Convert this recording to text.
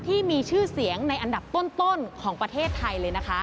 ที่มีชื่อเสียงในอันดับต้นของประเทศไทยเลยนะคะ